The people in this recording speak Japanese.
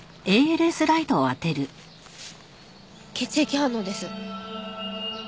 血液反応です。